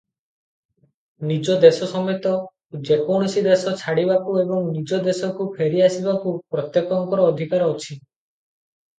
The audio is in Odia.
ନିଜ ଦେଶ ସମେତ ଯେକୌଣସି ଦେଶ ଛାଡ଼ିବାକୁ ଏବଂ ନିଜ ଦେଶକୁ ଫେରିଆସିବାକୁ ପ୍ରତ୍ୟେକଙ୍କର ଅଧିକାର ଅଛି ।